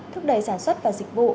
thúc đẩy sản xuất và dịch vụ